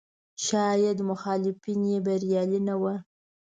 شاید مخالفین یې بریالي نه وو.